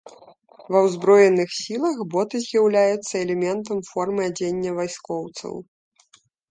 Ва ўзброеных сілах боты з'яўляюцца элементам формы адзення вайскоўцаў.